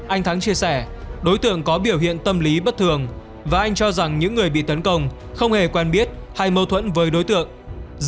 anh thắng chia sẻ đối tượng có biểu hiện tâm lý bất thường và anh cho rằng những người bị tấn công không hề quen biết hay mâu thuẫn với đối tượng